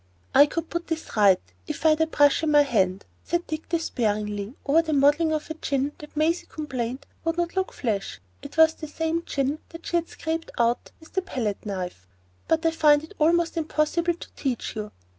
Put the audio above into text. "I could put this right if I had a brush in my hand," said Dick, despairingly, over the modelling of a chin that Maisie complained would not "look flesh,"—it was the same chin that she had scraped out with the palette knife,—"but I find it almost impossible to teach you.